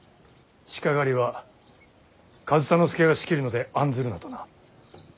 鹿狩りは上総介が仕切るので案ずるなとな。